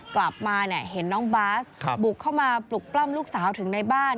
กลับมาเนี่ยเห็นน้องบาสบุกเข้ามาปลุกปล้ำลูกสาวถึงในบ้าน